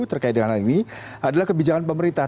terkait dengan hal ini adalah kebijakan pemerintah